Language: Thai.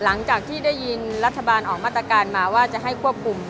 หลังจากที่ได้ยินรัฐบาลออกมาตรการมาว่าจะให้ควบคุม